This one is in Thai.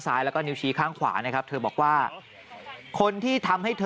แล้วก็นิ้วชี้ข้างขวานะครับเธอบอกว่าคนที่ทำให้เธอ